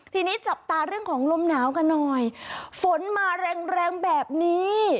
ทีนี้จับตาเรื่องของลมหนาวกันหน่อยฝนมาแรงแรงแบบนี้